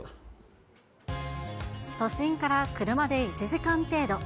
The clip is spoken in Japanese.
都心から車で１時間程度。